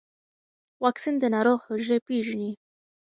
واکسین د ناروغ حجرې پېژني.